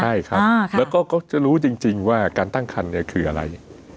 ใช่ครับแล้วก็เขาจะรู้จริงว่าการตั้งคันเนี่ยคืออะไร